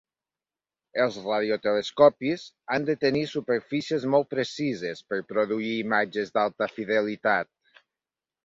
Els radiotelescopis han de tenir superfícies molt precises per produir imatges d'alta fidelitat.